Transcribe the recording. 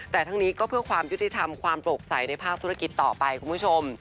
แต่ทั้งนี้ก็เพื่อความยุติธรรมความโปร่งใสในภาคธุรกิจต่อไปคุณผู้ชม